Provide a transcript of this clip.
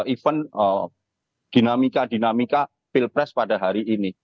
event dinamika dinamika pilpres pada hari ini